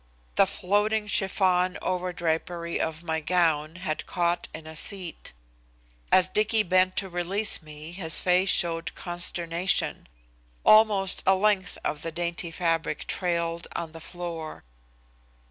The floating chiffon overdrapery of my gown had caught in a seat. As Dicky bent to release me his face showed consternation. Almost a length of the dainty fabric trailed on the floor.